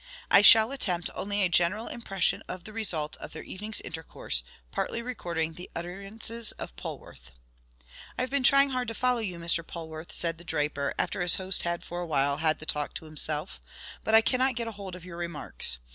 I shall attempt only a general impression of the result of their evening's intercourse, partly recording the utterances of Polwarth. "I have been trying hard to follow you, Mr. Polwarth," said the draper, after his host had for a while had the talk to himself, "but I cannot get a hold of your remarks.